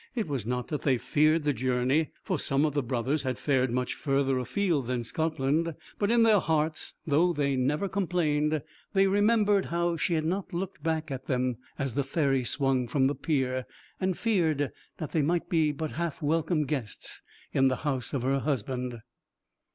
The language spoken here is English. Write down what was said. It was not that they feared the journey, for some of the brothers had fared much further afield than Scotland; but in their hearts, though they never complained, they remembered how she had not looked back on them as the ferry swung from the pier, and feared that they might be but half welcome guests in the house of her husband.